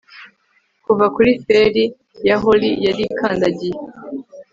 Kuva kuri feri ya holly yarikandagiye